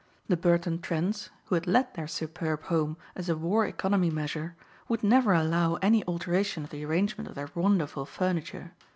The Burton Trents, who had let their superb home as a war economy measure, would never allow any alteration of the arrangement of their wonderful furniture.